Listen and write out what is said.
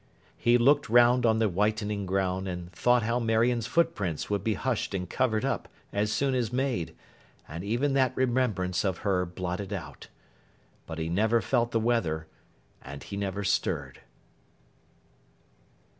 He looked round on the whitening ground, and thought how Marion's foot prints would be hushed and covered up, as soon as made, and even that remembrance of her blotted out. But he never felt the weather and he never stirred.